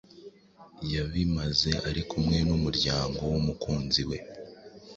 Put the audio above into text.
yabimaze ari kumwe n’umuryango w’umukunzi we